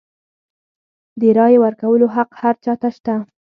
د رایې ورکولو حق هر چا ته شته.